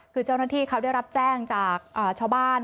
คือเจ้าหน้าที่เขาได้รับแจ้งจากชาวบ้าน